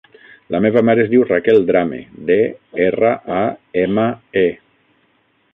La meva mare es diu Raquel Drame: de, erra, a, ema, e.